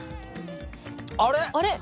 あれ？